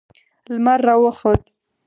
لمر راوخوت